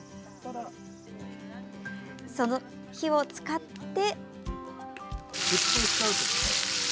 その火を使って。